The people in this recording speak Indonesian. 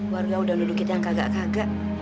warga udah luduk kita yang kagak kagak